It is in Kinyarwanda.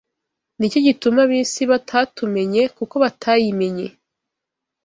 Ni cyo gituma ab’isi batatumenye, kuko batayimenye